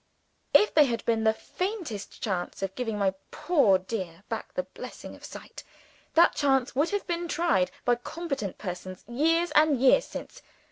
If there had been the faintest chance of giving my poor dear back the blessing of sight, that chance would have been tried by competent persons years and years since.